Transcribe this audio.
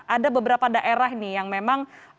ada beberapa daerah nih yang memang